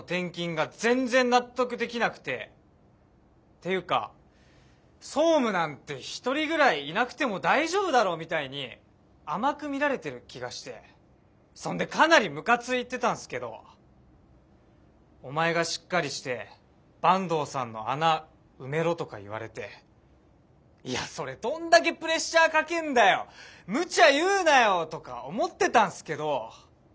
ていうか総務なんて１人ぐらいいなくても大丈夫だろうみたいに甘く見られてる気がしてそんでかなりムカついてたんすけどお前がしっかりして坂東さんの穴埋めろとか言われていやそれどんだけプレッシャーかけんだよむちゃ言うなよとか思ってたんすけど。